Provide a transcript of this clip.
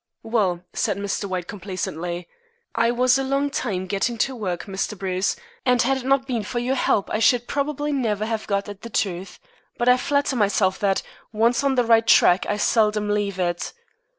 "Well," said Mr. White complacently, "I was a long time getting to work, Mr. Bruce, and had it not been for your help I should probably never have got at the truth, but I flatter myself that, once on the right track, I seldom leave it.